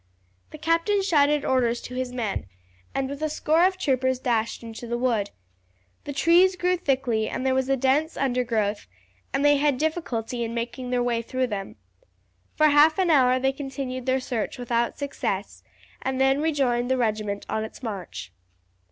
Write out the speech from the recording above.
The captain shouted orders to his men, and with a score of troopers dashed into the wood. The trees grew thickly and there was a dense undergrowth, and they had difficulty in making their way through them. For half an hour they continued their search without success, and then rejoined the regiment on its march.